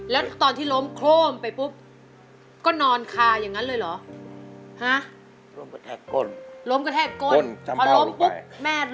แล้วตอนที่ล้มโคร่มไปปุ๊บก็นอนคาอย่างนั้นเลยเหรอ